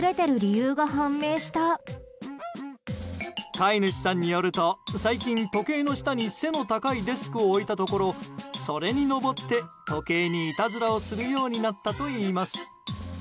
飼い主さんによると、最近時計の下に背の高いデスクを置いたところ、それに上って時計にいたずらをするようになったといいます。